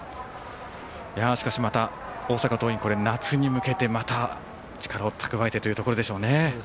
しかし、また大阪桐蔭これ夏に向けてまた、力を蓄えてというところでしょうね。